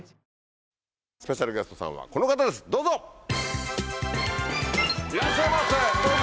スペシャルゲストさんはこの方ですどうぞ！